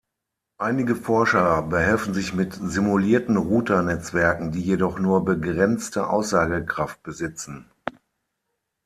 Einige Forscher behelfen sich mit simulierten Router-Netzwerken, die jedoch nur begrenzte Aussagekraft besitzen.